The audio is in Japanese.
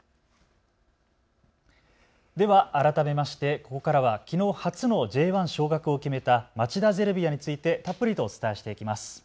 では改めましてここからはきのう初のＪ１昇格を決めた町田ゼルビアについてたっぷりとお伝えしていきます。